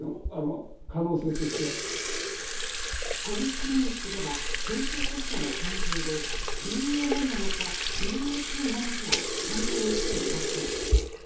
このクリニックでは検査コストの関係でＢＡ．１なのかＢＡ．２なのかを判定していません。